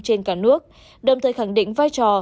trên cả nước đồng thời khẳng định vai trò